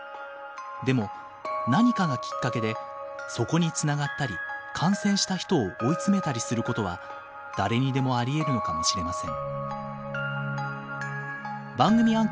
でも何かがきっかけでそこにつながったり感染した人を追い詰めたりすることは誰にでもありえるのかもしれません。